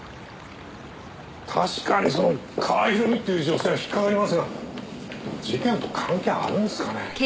確かにその川合ひろみっていう女性は引っかかりますがでも事件と関係あるんですかねえ？